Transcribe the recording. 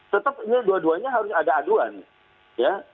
tetap ini dua duanya harus ada aduan ya